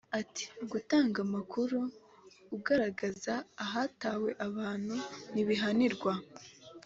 Ati "Gutanga amakuru ugaragaza ahatawe abantu ntibihanirwa